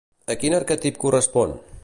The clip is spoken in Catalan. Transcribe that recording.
A quin arquetip correspon?